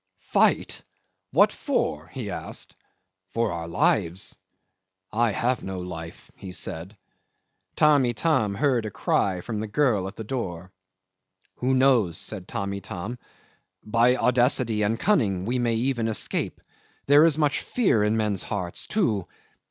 "Fight! What for?" he asked. "For our lives." "I have no life," he said. Tamb' Itam heard a cry from the girl at the door. "Who knows?" said Tamb' Itam. "By audacity and cunning we may even escape. There is much fear in men's hearts too."